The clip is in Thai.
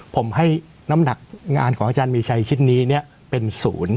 ผมให้น้ำหนักงานของอาจารย์มีชัยชิ้นนี้เป็นศูนย์